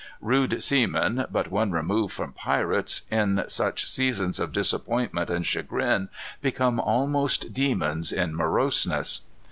Rude seamen, but one remove from pirates, in such seasons of disappointment and chagrin become almost demons in moroseness.